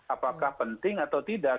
apakah penting atau tidak